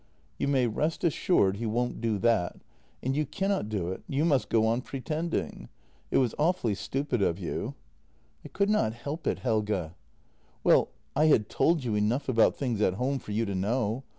" You may rest assured he won't do that. And you cannot do it — you must just go on pretending. It was awfully stupid of you." " I could not help it, Helge." " Well — I had told you enough about things at home for you to know.